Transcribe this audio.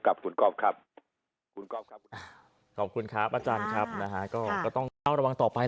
กับคุณกอล์ฟครับขอบคุณครับอาจารย์ครับนะฮะก็ต้องเต้าระวังต่อไป